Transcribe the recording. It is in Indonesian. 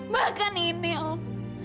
bahkan ini om